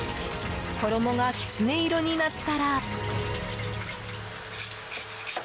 衣がキツネ色になったら。